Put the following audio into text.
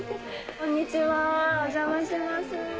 こんにちはお邪魔します。